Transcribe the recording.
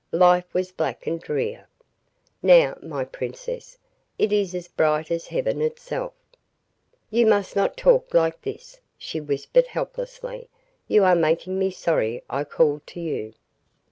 Life was black and drear. Now, my princess, it is as bright as heaven itself." "You must not talk like this," she whispered helplessly. "You are making me sorry I called to you."